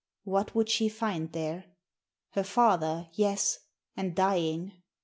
What would she find there? Her father, yes, and dying!